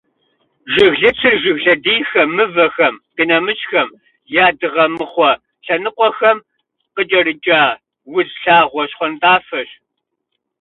Жыглыцыр жыг лъэдийхэм, мывэхэм, къинэмыщӏхэм я дыгъэмыхъуэ лъэныкъуэхэм къыкӏэрыкӏэ удз лъагъуэ щхъуантӏафэщ.